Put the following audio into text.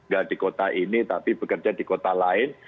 gak di kota ini tapi bekerja di kota lain